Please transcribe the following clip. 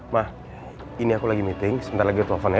ma ini aku lagi meeting sebentar lagi aku telepon ya